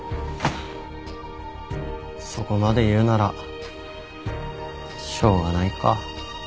そこまで言うならしょうがないか。